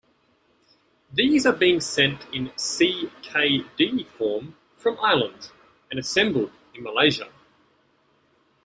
These are being sent in ckd form from Ireland and assembled in Malaysia.